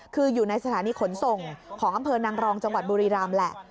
คืออยู่ในสถานีขนส่งของอำเภอนางรองจังหวัดบุรีรำแหละ